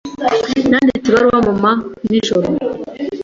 Nanditse ibaruwa mama nijoro.